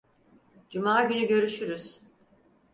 Cuma günü görüşürüz.